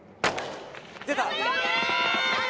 出た！